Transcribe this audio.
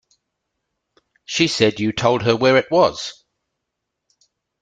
She said you told her where it was.